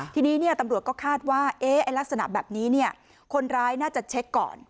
ทีนี้ตำรวจก็คาดว่าลักษณะแบบนี้คนร้ายน่าจะเช็คก่อน